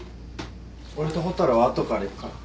俺と蛍は後から行くから。